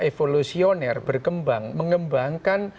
evolusioner berkembang mengembangkan